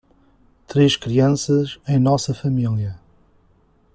Três crianças em nossa família